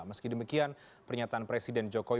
meski demikian pernyataan presiden jokowi